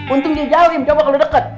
untung dia jauhim coba kalau deket